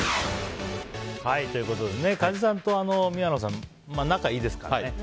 梶さんと宮野さん仲がいいですからね。